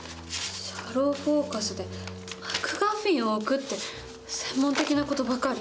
「シャローフォーカスでマクガフィンを置く」って専門的な事ばかり。